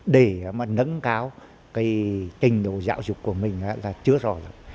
để mà nâng cao cái trình độ giáo dục của mình là chưa rõ rồi